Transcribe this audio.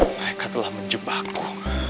mereka telah menjepahku